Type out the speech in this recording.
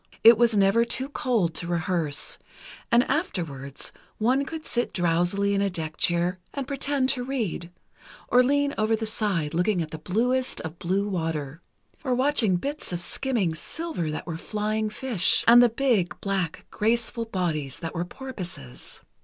It was never too cold to rehearse, and afterwards, one could sit drowsily in a deck chair and pretend to read, or lean over the side, looking at the bluest of blue water, or watching bits of skimming silver that were flying fish, and the big, black, graceful bodies that were porpoises.